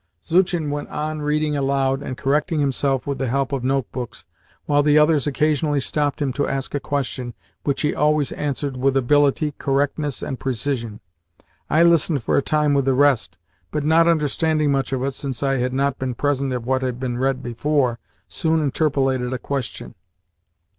Zuchin went on reading aloud and correcting himself with the help of notebooks, while the others occasionally stopped him to ask a question, which he always answered with ability, correctness, and precision. I listened for a time with the rest, but, not understanding much of it, since I had not been present at what had been read before, soon interpolated a question.